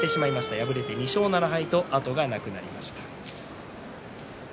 敗れて２勝７敗と後がなくなりました。